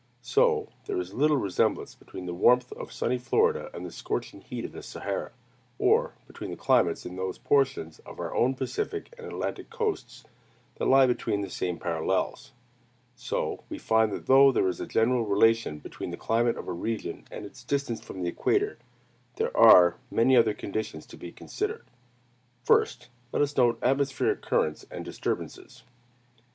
So there is little resemblance between the warmth of sunny Florida and the scorching heat of the Sahara: or between the climates in those portions of our own Pacific and Atlantic coasts that lie between the same parallels. So we find that though there is a general relation between the climate of a region and its distance from the equator, there are many other conditions to be considered. First, let us note atmospheric currents and disturbances.